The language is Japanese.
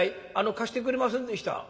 「貸してくれませんでした」。